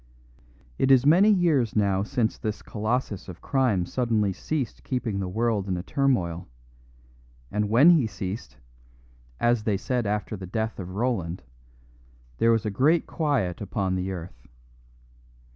It is many years now since this colossus of crime suddenly ceased keeping the world in a turmoil; and when he ceased, as they said after the death of Roland, there was a great quiet upon the earth.